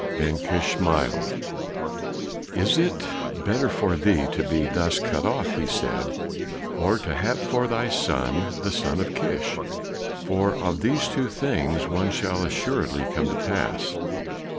Ben Kish smiled. "Is it better for thee to be thus cut off," he said, "or to have for thy son the son of Kish? For of these two things, one shall assuredly come to pass."